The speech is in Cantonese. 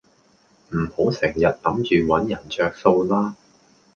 唔好成人諗住搵人着數啦